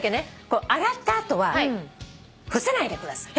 洗った後は伏せないでください。